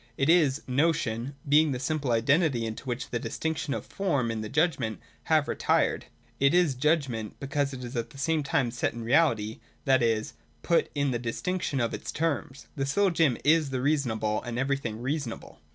It is notion, — being the simple identity into which the distinctions of form in the judgment have retired. It is judgment, — because it is at the same time set in reality, that is, put in the distinction of its terms. The Syllogism is the reasonable, and everything reasonable.